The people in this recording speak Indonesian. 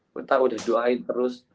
kita udah doain terus